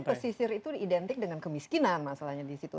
pesisir itu identik dengan kemiskinan masalahnya di situ